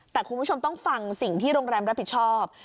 แต่คุณผู้ชมต้องฟังสิ่งที่โรงแรมรับผิดชอบ